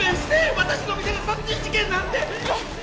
私の店で殺人事件なんて！